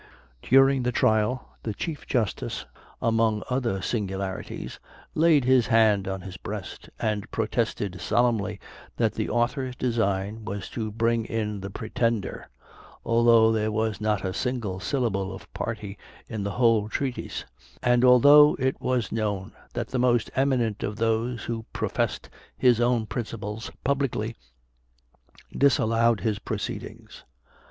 During the trial, the Chief Justice, among other singularities, laid his hand on his breast, and protested solemnly that the author's design was to bring in the Pretender, although there was not a single syllable of party in the whole treatise, and although it was known that the most eminent of those who professed his own principles publicly disallowed his proceedings.